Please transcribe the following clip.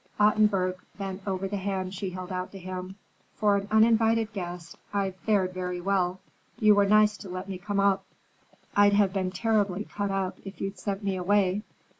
Ottenburg bent over the hand she held out to him. "For an uninvited guest, I've fared very well. You were nice to let me come up. I'd have been terribly cut up if you'd sent me away.